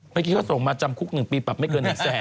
เมื่อกี้เขาส่งมาจำคุกหนึ่งปีปรับไม่เกินหนึ่งแสน